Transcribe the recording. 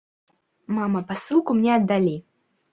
Мама, пасылку мне аддалі.